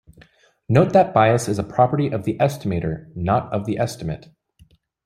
Note that bias is a property of the estimator, not of the estimate.